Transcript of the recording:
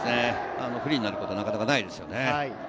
フリーになることが、なかなかないですよね。